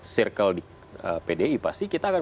circle di pdi pasti kita akan